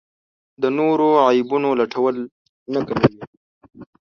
د نورو عیبونو لټول نه کموي.